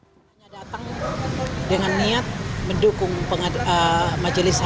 semuanya datang dengan niat mendukung majelis hakim